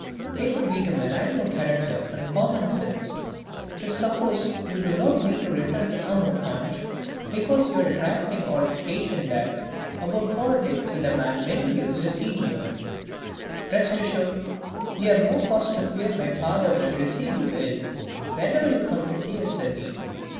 It would be to malign your character and common sense to suppose you do not mean to return to the Amour peintre because you had a trifling altercation there about politics with a man many years your senior. Rest assured you have no cause to fear my father will receive you ill whenever you come to see us again.